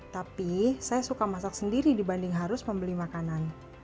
tapi saya suka masak sendiri dibanding harus membeli makanan